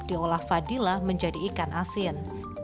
diolah fadila menjadi ikan asin